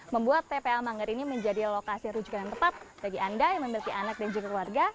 membuat tpa manggar ini menjadi lokasi rujukan yang tepat bagi anda yang memiliki anak dan juga keluarga